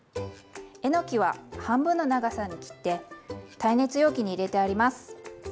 えのきは半分の長さに切って耐熱容器に入れてあります。